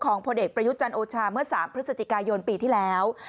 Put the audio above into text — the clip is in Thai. พลเอกประยุทธ์จันทร์โอชาเมื่อ๓พฤศจิกายนปีที่แล้ว